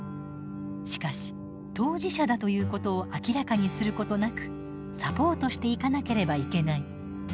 しかし当事者だということを明らかにすることなくサポートしていかなければいけない。